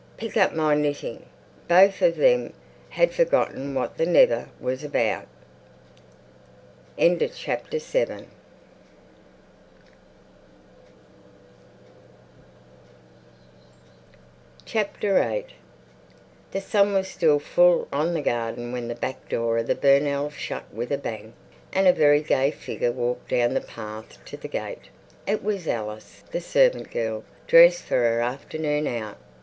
"Pick up my knitting." Both of them had forgotten what the "never" was about. VIII The sun was still full on the garden when the back door of the Burnells' shut with a bang, and a very gay figure walked down the path to the gate. It was Alice, the servant girl, dressed for her afternoon out.